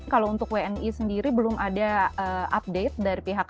kalau untuk wni sendiri belum ada update dari pihak